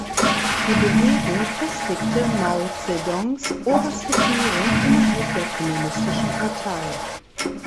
Die Bewegung festigte Mao Zedongs oberste Führung innerhalb der Kommunistischen Partei.